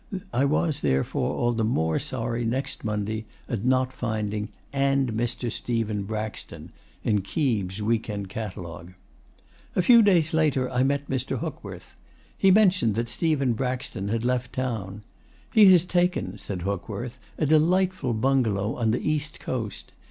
I was, therefore, all the more sorry, next Monday, at not finding 'and Mr. Stephen Braxton' in Keeb's week end catalogue. A few days later I met Mr. Hookworth. He mentioned that Stephen Braxton had left town. 'He has taken,' said Hookworth, 'a delightful bungalow on the east coast.